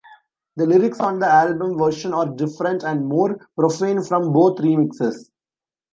The lyrics on the album version are different and more profane from both remixes.